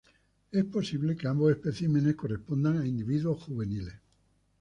Es posible que ambos especímenes correspondan a individuos juveniles.